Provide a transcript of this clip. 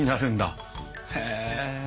へえ。